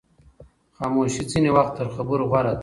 خاموشي ځینې وخت تر خبرو غوره وي.